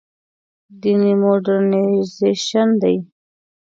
دیني مډرنیزېشن دی.